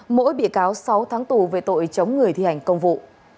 mỗi bị cáo sáu tháng tù về tội chống người thi hành công vụ